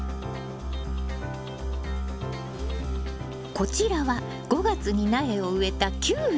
こちらは５月に苗を植えたキュウリ。